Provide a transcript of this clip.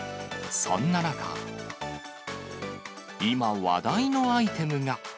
そんな中、今、話題のアイテムが。